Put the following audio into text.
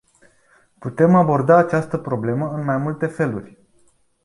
Putem aborda această problemă în mai multe feluri.